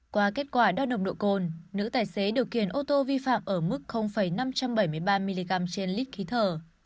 qua kết quả đo nồng độ cồn nữ tài xế điều khiển ô tô vi phạm ở mức năm trăm bảy mươi ba mg trên lít khí thở